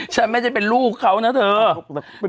ฉันไม่ใช่เป็นลูกเขาน่ะเถอะ